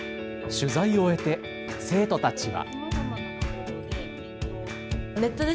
取材を終えて生徒たちは。